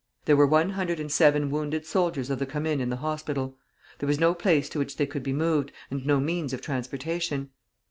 There were one hundred and seven wounded soldiers of the Commune in the hospital. There was no place to which they could be moved, and no means of transportation.